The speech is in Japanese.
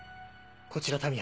こちら田宮